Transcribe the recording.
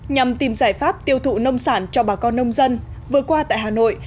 nhằm tìm giải pháp tiêu thụ nông sản cho bà con nông dân vừa qua tại hà nội